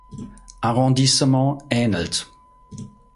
Arrondissement ähnelt.